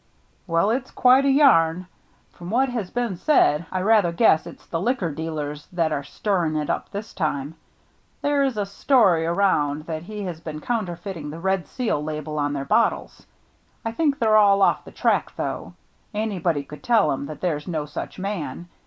"Well, it's quite a yarn. From what has been said, I rather guess it's the liquor dealers that are stirring it up this time. There is a story around that he has been counterfeit ing the red seal label on their bottles. I think they're all off the track, though. Anybody could tell 'em that there's no such man.